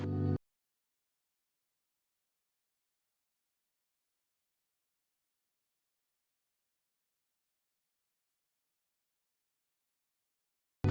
โครงคลิปด้วย